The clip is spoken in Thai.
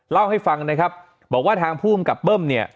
เล่าให้ฟังนะครับบอกว่าทางภูมิกับเบิ้มเนี่ย